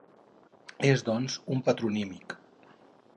És, doncs, un patronímic.